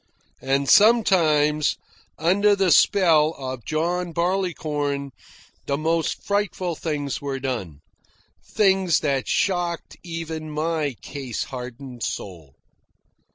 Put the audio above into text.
And sometimes, under the spell of John Barleycorn, the most frightful things were done things that shocked even my case hardened soul.